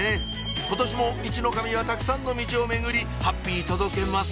今年もミチノカミはたくさんのミチを巡りハッピー届けます